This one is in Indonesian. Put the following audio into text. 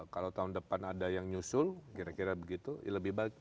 kalau tahun depan ada yang nyusul kira kira begitu lebih baik